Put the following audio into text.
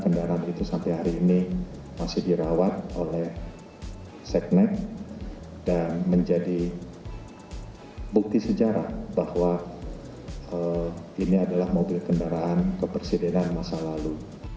kendaraan itu sampai hari ini masih dirawat oleh seknek dan menjadi bukti sejarah bahwa ini adalah mobil kendaraan kepresidenan masa lalu